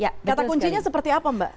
kata kuncinya seperti apa mbak